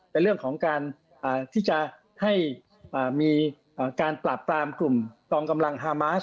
เป็นเรื่องของการที่จะให้มีการปราบปรามกลุ่มกองกำลังฮามาส